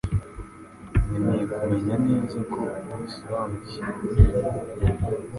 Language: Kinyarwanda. Nkeneye kumenya neza ko ubisobanukiwe.